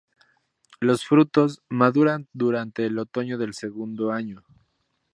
Los frutos, maduran durante el otoño del segundo año.